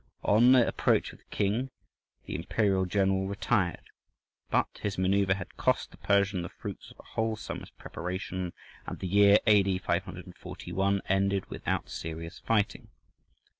On the approach of the king the imperial general retired, but his manœuvre had cost the Persian the fruits of a whole summer's preparation, and the year A.D. 541 ended without serious fighting.